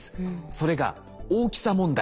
それが大きさ問題。